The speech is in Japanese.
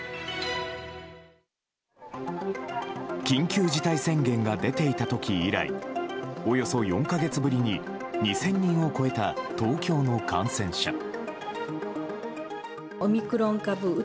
緊急事態宣言が出ていた時以来およそ４か月ぶりに２０００人を超えた東京の感染者。